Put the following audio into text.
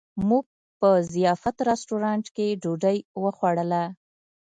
موږ په ضیافت رسټورانټ کې ډوډۍ وخوړله.